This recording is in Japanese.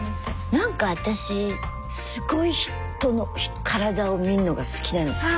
何か私すごい人の体を見んのが好きなんですよ。